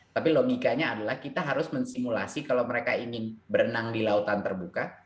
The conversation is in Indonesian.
tapi logikanya adalah kita harus mensimulasi kalau mereka ingin berenang di lautan terbuka